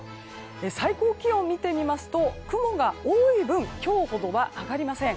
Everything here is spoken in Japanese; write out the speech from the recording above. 最高気温を見てみますと雲が多い分今日ほどは上がりません。